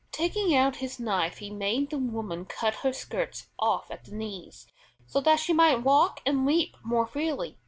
Taking out his knife he made the woman cut her skirts off at the knees, so that she might walk and leap more freely.